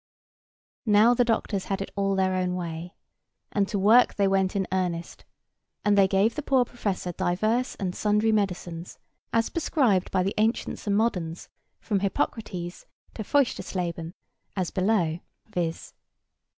Now the doctors had it all their own way; and to work they went in earnest, and they gave the poor professor divers and sundry medicines, as prescribed by the ancients and moderns, from Hippocrates to Feuchtersleben, as below, viz.